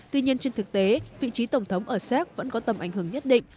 tuy nhiên trên thực tế vị trí tổng thống ở séc vẫn có tầm ảnh hưởng nhất định